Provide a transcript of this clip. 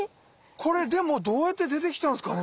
これでもどうやって出てきたんですかね？